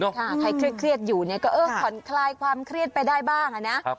ใครเครียดอยู่ก็เอิ่มขอนคลายความเครียดไปได้บ้างอะนะ